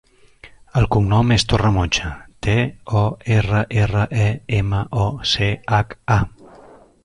El cognom és Torremocha: te, o, erra, erra, e, ema, o, ce, hac, a.